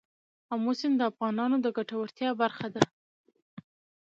آمو سیند د افغانانو د ګټورتیا برخه ده.